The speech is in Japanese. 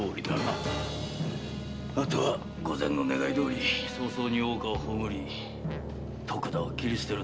あとは御前の願いどおり早々に大岡を葬り徳田を斬りすてる。